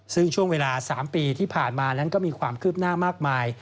ซึ่งช่วงเวลา๓ปีที่ผ่านมานั้นก็มีความคืบหน้ามากมาย